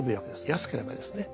安ければですね。